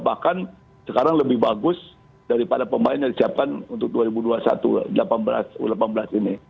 bahkan sekarang lebih bagus daripada pemain yang disiapkan untuk dua ribu dua puluh satu u delapan belas ini